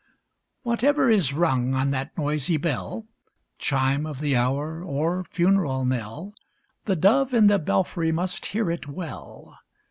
Whatever is rung on that noisy bell — Chime of the hour or funeral knell — The dove in the belfry must hear it well.